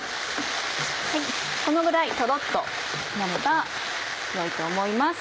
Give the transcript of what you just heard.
このぐらいとろっとなればよいと思います。